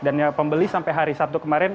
dan pembeli sampai hari sabtu kemarin